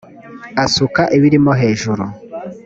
asuka ibiri mu hejuru.